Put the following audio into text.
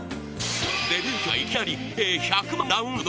デビュー曲がいきなり累計１００万ダウンロード。